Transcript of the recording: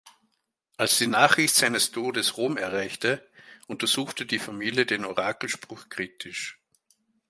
Als die Nachricht seines Todes Rom erreichte, untersuchte die Familie den Orakelspruch kritisch.